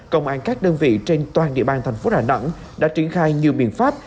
công an các đơn vị trên toàn địa bàn thành phố đà nẵng đã triển khai nhiều biện pháp